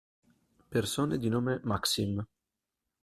Persone di nome Maksim